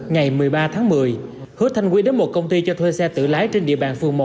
ngày một mươi ba tháng một mươi hứa thanh quy đến một công ty cho thuê xe tự lái trên địa bàn phường một